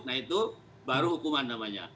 nah itu baru hukuman namanya